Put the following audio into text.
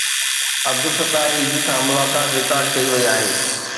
عبدالستار ايڌي سان ملاقات رڪارڊ ڪئي وئي آهي.